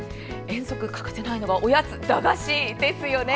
遠足に欠かせないのが、おやつ駄菓子ですよね！